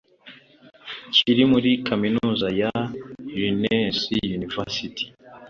kiri muri kaminuza ya Linnaeus University